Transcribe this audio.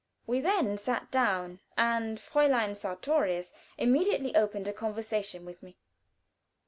We then sat down, and Fräulein Sartorius immediately opened a conversation with me.